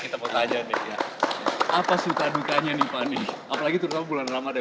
kita mau tanya nih apa syukur syukurnya nih pak nih apalagi terutama bulan ramadhan